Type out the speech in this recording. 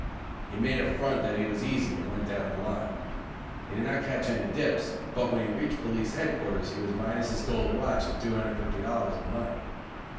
He made a front that he was easy and went down the line. He did not catch any dips, but when he reached police head quarters he was minus his gold watch and two hundred and fifty dollars in money.